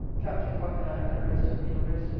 ] Captain Cocke and I had a breast of veal roasted.